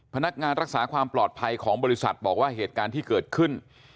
พนักงานรักษาความปลอดภัยของบริษัทบอกว่าเหตุการณ์ที่เกิดขึ้น